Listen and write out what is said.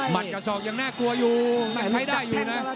มัดกระสองยังหน้ากลัวอยู่เราใช้ได้อยู่นะ